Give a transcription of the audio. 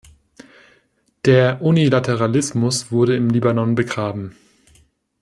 Der Unilateralismus wurde im Libanon begraben.